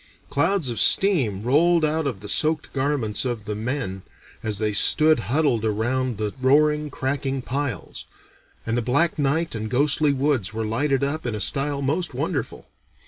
Clouds of steam rolled out of the soaked garments of the men, as they stood huddled around the roaring, cracking piles, and the black night and ghostly woods were lighted up in a style most wonderful.